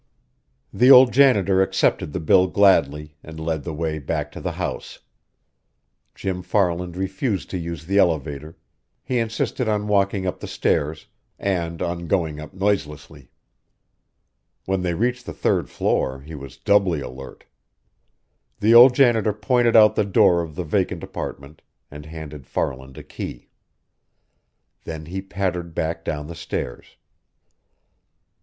The old janitor accepted the bill gladly, and led the way back to the house. Jim Farland refused to use the elevator; he insisted on walking up the stairs, and on going up noiselessly. When they reached the third floor, he was doubly alert. The old janitor pointed out the door of the vacant apartment, and handed Farland a key. Then he pattered back down the stairs.